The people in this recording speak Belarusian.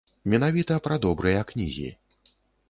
Менавіта пра добрыя кнігі.